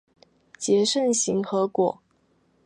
结肾形核果。